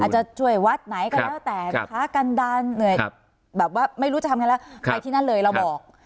จะช่วยวัดไหนก็แล้วแต่นะคะกันดาลเหนื่อยแบบว่าไม่รู้จะทำไงแล้วไปที่นั่นเลยเราบอก